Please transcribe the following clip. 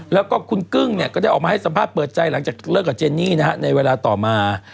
แล้วก็คุณกึ้งเนี่ยก็ได้ออกมาให้สัมภาษณ์เปิดใจหลังจากเลิกกับเจนนี่นะฮะในเวลาต่อมา